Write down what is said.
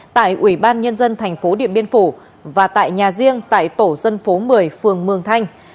tại ubnd tp điện biên phủ và tại nhà riêng tại tổ dân phố một mươi phường mương thanh